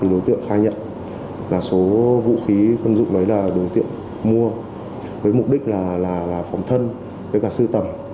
đối tượng khai nhận là số vũ khí quân dụng lấy là đối tượng mua với mục đích là phòng thân với cả sư tầm